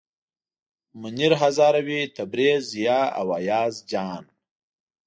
منیر هزاروي، تبریز، ضیا او ایاز جان.